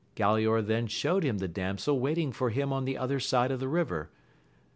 Galaor then shewed him the damsel waiting for him on the other side of the river.